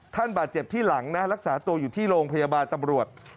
บาดเจ็บที่หลังนะรักษาตัวอยู่ที่โรงพยาบาลตำรวจ